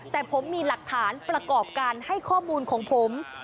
แต่ผมมีหลักฐานประกอบการให้ข้อมูลของผม